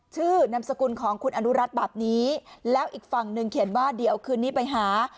นามสกุลของคุณอนุรัติแบบนี้แล้วอีกฝั่งหนึ่งเขียนว่าเดี๋ยวคืนนี้ไปหา